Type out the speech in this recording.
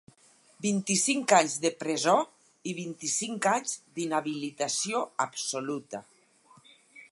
Vint-i-cinc anys de presó i vint-i-cinc anys d’inhabilitació absoluta.